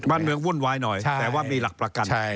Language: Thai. บ้านเมืองวุ่นวายหน่อยแต่ว่ามีหลักประกัน